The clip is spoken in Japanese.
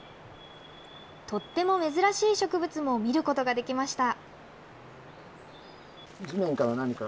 とっても珍しい植物も見ることができました。